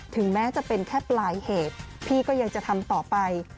ถึงแม้จะเป็นแค่ปลายเหตุพี่ก็ยังจะทำต่อไป